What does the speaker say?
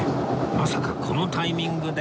まさかこのタイミングで？